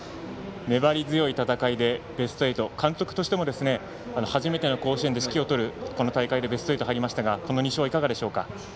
粘り強い戦いで監督としても初めての甲子園で指揮を執る大会でベスト８に入りましたけどもこの２勝はいかがでしょうか。